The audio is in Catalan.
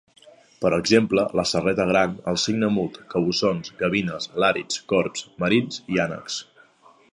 Per exemple: la serreta gran, el cigne mut, cabussons, gavines, làrids, corbs marins i ànecs.